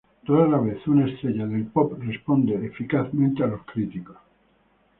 Rara vez una estrella del pop responde eficazmente a los críticos.